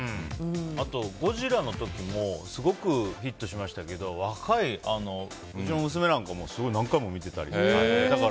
あと「ゴジラ」の時もすごくヒットしましたけど若い、うちの娘なんかもすごい何回も見てたりとか。